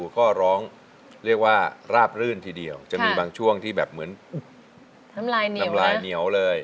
ขออธิตันให้พี่ร้องได้